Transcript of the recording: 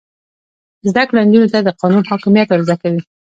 زده کړه نجونو ته د قانون حاکمیت ور زده کوي.